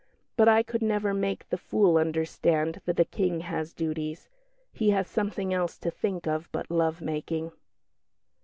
But I could never make the fool understand that a King has duties; he has something else to think of but love making."